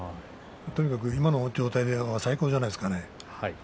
とにかく今の状態は最高じゃないですか。